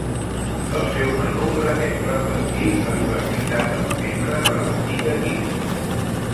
El seu menú pretén reflectir la diversitat dels membres de l'antic equip.